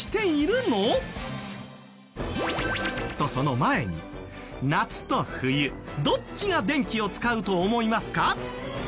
とその前に夏と冬どっちが電気を使うと思いますか？